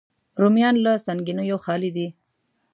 رومیان له سنګینیو خالي دي